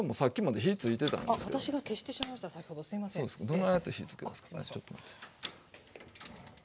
どないやって火つけるの？